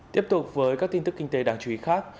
tiếp tục với các tin tức kinh tế đáng chú ý khác